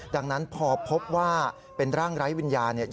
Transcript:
ดังนั้นพอพบว่าเป็นร่างไร้วิญญาณเนี่ย